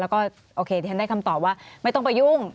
แล้วก็โอเคที่ฉันได้คำตอบว่าไม่ต้องไปยุ่ง